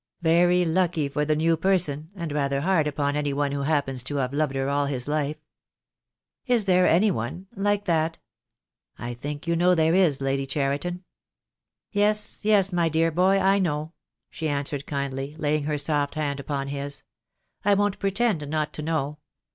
"Very lucky for the new person, and rather hard upon any one who happens to have loved her all his life." "Is there any one — like that?" "I think you know there is, Lady Cheriton." "Yes, yes, my dear boy, I know," she answered kindly, laying her soft hand upon his. "I won't pretend not to know.